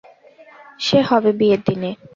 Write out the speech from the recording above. সে হবে বিয়ের দিনে।